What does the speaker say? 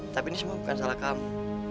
tapi ini semua bukan salah kamu